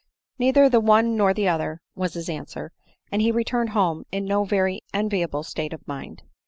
" Neither the one nor the other," was the answer ; and he returned home in no very enviable state of mind.